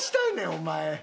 お前。